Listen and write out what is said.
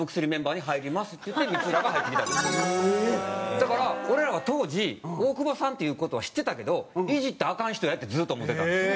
だから俺らは当時大久保さんっていう事は知ってたけどイジったらアカン人やってずっと思ってたんですよ